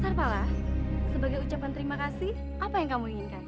sarpala sebagai ucapan terima kasih apa yang kamu inginkan